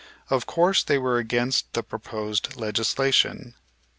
Of course they were against the proposed legislation.